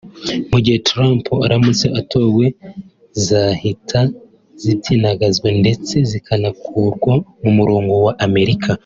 mu gihe Trump aramutse atowe zahita zipyinagazwa ndetse zikanakurwa mu murongo wa Amerika